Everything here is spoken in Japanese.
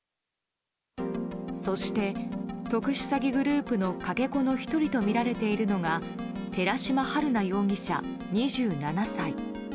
そして、特殊詐欺グループのかけ子の１人とみられているのが寺島春奈容疑者、２７歳。